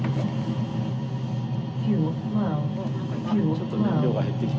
ちょっと燃料が減ってきた。